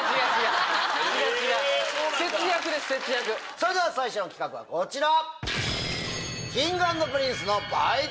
それでは最初の企画はこちら！